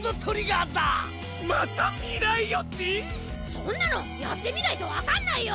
そんなのやってみないとわかんないよ！